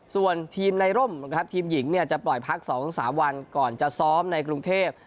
ส่วนทีมในร่มนะครับทีมหญิงเนี่ยจะปล่อยพัก๒๓วันก่อนจะซ้อมในกรุงเทพ